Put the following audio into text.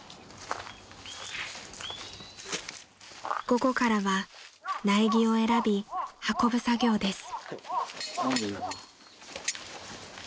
［午後からは苗木を選び運ぶ作業です］